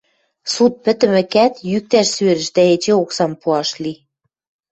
Суд пӹтӹмӹкӓт, йӱктӓш сӧрӹш дӓ эче оксам пуаш ли.